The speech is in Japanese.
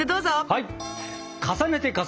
はい！